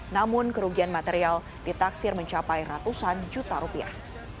namun kerugian material ditaksir mencapai ratusan juta rupiah